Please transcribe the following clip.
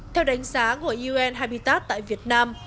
theo đánh giá của un habitat tại việt nam